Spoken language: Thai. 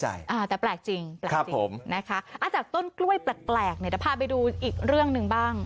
อาจจะต้นกล้วยแปลกเนี่ยจะพาไปดูอีกเรื่องหนึ่งบ้าง